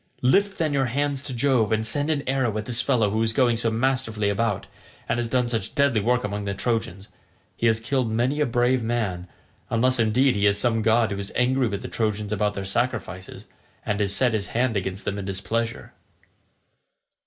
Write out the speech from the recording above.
Lift then your hands to Jove and send an arrow at this fellow who is going so masterfully about, and has done such deadly work among the Trojans. He has killed many a brave man—unless indeed he is some god who is angry with the Trojans about their sacrifices, and has set his hand against them in his displeasure."